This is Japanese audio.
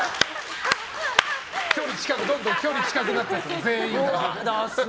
どんどん距離近くなって、全員が。